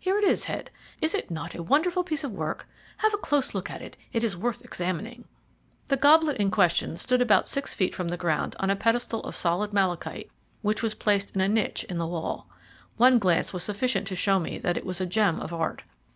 Here it is, Head. Is it not a wonderful piece of work? Have a close look at it, it is worth examining." The goblet in question stood about 6ft. from the ground on a pedestal of solid malachite, which was placed in a niche in the wall. One glance was sufficient to show me that it was a gem of art.